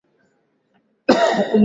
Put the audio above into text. Mimi na wewe 'tapendana sana.